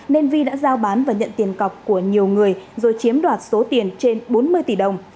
nên vi đã giao bán và nhận tiền cọc của nhiều người rồi chiếm đoạt số tiền trên bốn mươi tỷ đồng